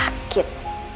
tapi dia lagi sakit